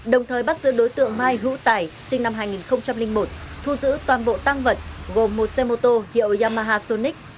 đồng thời bắt giữ đối tượng mai hữu tài sinh năm hai nghìn một thu giữ toàn bộ tăng vật gồm một xe mô tô hiệu yamaha sonic